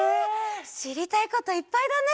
しりたいこといっぱいだね！